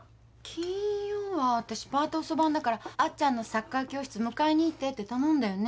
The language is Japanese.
金曜は私パート遅番だからあっちゃんのサッカー教室迎えに行ってって頼んだよね？